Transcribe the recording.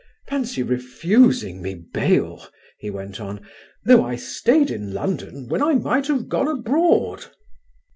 Fancy refusing me bail," he went on, "though I stayed in London when I might have gone abroad."